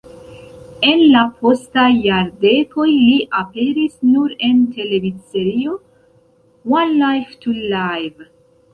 En la postaj jardekoj li aperis nur en televidserio "One Life to Live".